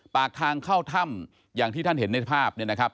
ปากทางเข้าถ้ำอย่างที่ท่านเห็นในภาพเนี่ยนะครับ